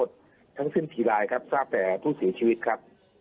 ทั้งสิ้นผีรายครับทั้งสิ้นผีรายครับ